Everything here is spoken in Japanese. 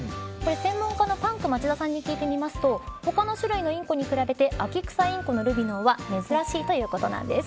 専門家のパンク町田さんに聞いてみると他の種類のインコに比べてアキクサインコのルビノーは珍しいということです。